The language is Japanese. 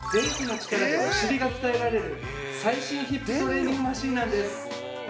◆実は、入浴中に座るだけで電気の力でお尻が鍛えられる最新ヒップトレーニングマシンなんです。